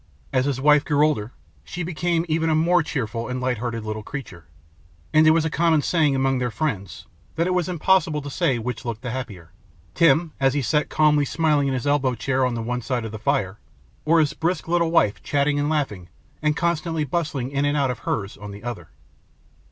As his wife grew older, she became even a more cheerful and light hearted little creature; and it was a common saying among their friends, that it was impossible to say which looked the happier, Tim as he sat calmly smiling in his elbow chair on one side of the fire, or his brisk little wife chatting and laughing, and constantly bustling in and out of hers, on the other.